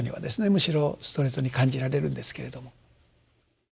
むしろストレートに感じられるんですけれども。